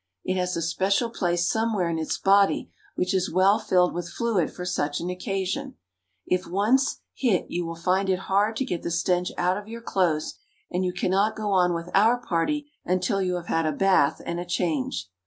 It has a special place somewhere in its body which is well filled with fluid for such an occasion. If once hit you will find it hard to get the stench out of your clothes, and you cannot go on with our party until you have had a bath and a change.